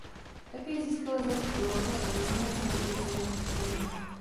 Také získala Zlatý glóbus a nominace na dvě cena Emmy.